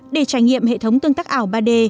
để trải nghiệm hệ thống tương tác ảo ba d